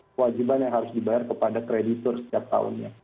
kewajiban yang harus dibayar kepada kreditur setiap tahunnya